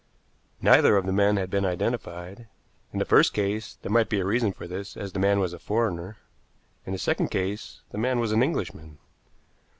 Neither of the men had been identified. In the first case, there might be a reason for this, as the man was a foreigner. In the second case, the man was an Englishman.